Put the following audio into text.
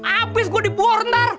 abis gua dibuang ntar